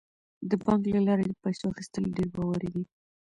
د بانک له لارې د پیسو اخیستل ډیر باوري دي.